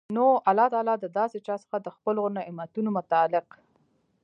نو الله تعالی د داسي چا څخه د خپلو نعمتونو متعلق